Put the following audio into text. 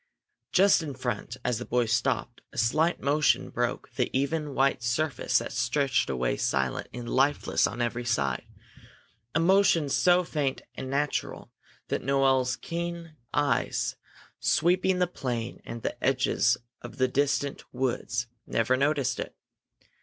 Just in front, as the boy stopped, a slight motion broke the even white surface that stretched away silent and lifeless on every side, a motion so faint and natural that Noel's keen eyes, sweeping the plain and the edges of the distant woods, never noticed it.